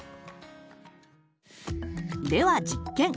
では実験！